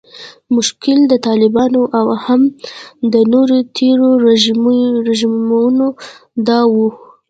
مشکل د طالبانو او هم د نورو تیرو رژیمونو دا و